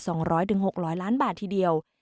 หรือ๒๐๐๖๐๐ล้านบาททีเดียว